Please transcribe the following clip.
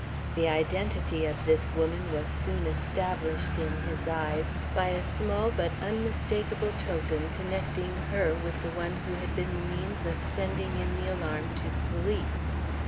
The identity of this woman was soon established in his eyes by a small but unmistakable token connecting her with the one who had been the means of sending in the alarm to the police.